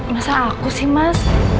masa aku sih mas